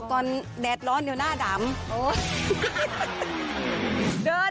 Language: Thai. จนกลวนศักดี